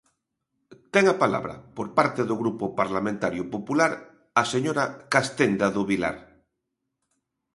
Ten a palabra, por parte do Grupo Parlamentario Popular, a señora Castenda do Vilar.